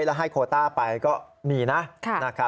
แล้วให้โคต้าไปก็มีนะ